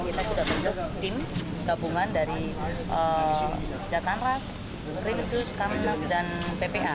dan kita sudah bentuk tim gabungan dari jatang ras krim sus kamenap dan ppa